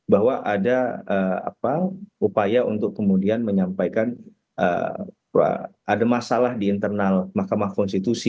bahwa ada upaya untuk kemudian menyampaikan ada masalah di internal mahkamah konstitusi